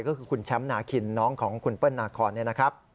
ก็คือคุณแชมป์นาขินน้องของคุณเปิ้ลนาคอน